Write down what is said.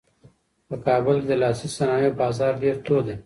په کابل کې د لاسي صنایعو بازار ډېر تود دی.